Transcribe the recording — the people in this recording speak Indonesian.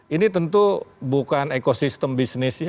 ini tentu bukan ekosistem bisnisnya